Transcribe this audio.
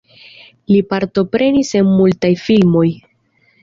Li partoprenis en multaj filmoj.